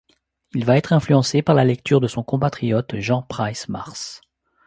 Il va être influencé par la lecture de son compatriote Jean Price Mars.